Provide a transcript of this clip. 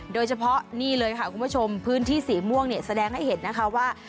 โดยเฉพาะนี่เลยค่ะคุณผู้ชมพื้นที่สีม่วงเนี่ยแสดงให้เห็นนะคะว่า